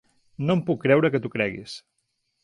No em puc creure que t’ho creguis.